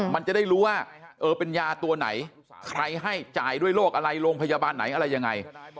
มันจะได้รู้ว่าเป็นยาตัวไหนใครให้จ่ายด้วยโรคอะไรโรงพยาบาลไหนอะไรยังไง